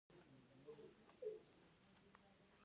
څار، څارل، څارنه، څارندوی، څارنوالي